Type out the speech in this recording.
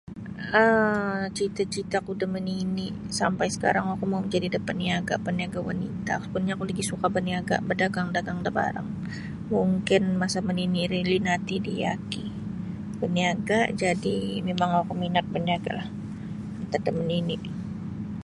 um Cita-cita ku da manini sampai sakarang oku mau jadi da paniaga paniaga wanita [unintelligible] oku labih suka baniaga badagang-dagang da barang mungkin masa manini ri linati da yaki baniaga jadi mimang oku minat baniagalah antad da manini.